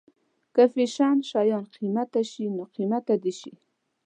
که فیشن شيان قیمته شي نو قیمته دې شي.